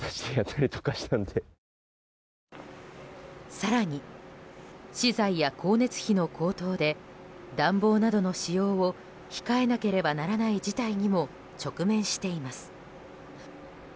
更に、資材や光熱費の高騰で暖房などの使用を控えなければならない事態にも直面しています。